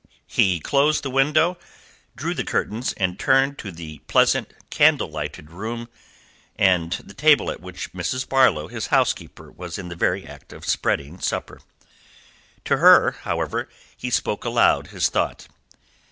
He closed the window, drew the curtains, and turned to the pleasant, candle lighted room, and the table on which Mrs. Barlow, his housekeeper, was in the very act of spreading supper. To her, however, he spoke aloud his thought.